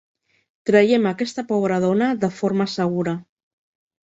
Traiem aquesta pobre dona de forma segura.